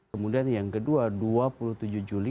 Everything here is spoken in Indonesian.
kemudian yang kedua dua puluh tujuh juli dua ribu enam belas